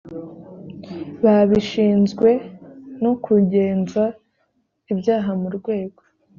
babishinzwe no kugenza ibyaha mu rwego